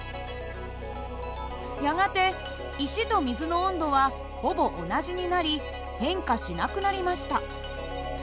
やがて石と水の温度はほぼ同じになり変化しなくなりました。